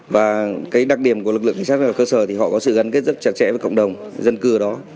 và cái đặc điểm của lực lượng cảnh sát ở cơ sở thì họ có sự gắn kết rất chặt chẽ với cộng đồng dân cư ở đó